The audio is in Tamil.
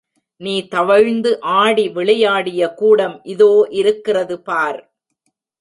நீ தவழ்ந்து ஆடி விளையாடிய கூடம் இதோ இருக்கிறது பார்.